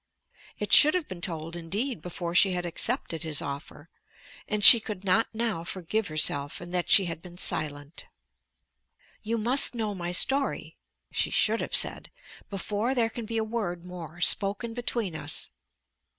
It should have been told indeed before she had accepted his offer, and she could not now forgive herself in that she had been silent. "You must know my story," she should have said, "before there can be a word more spoken between us."